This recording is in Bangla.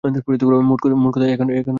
মোট কথা, এখন আমি বেশ ভালই আছি।